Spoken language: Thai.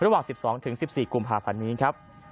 ระหว่าง๑๒๑๔กุมภาพันธ์นี้ครับ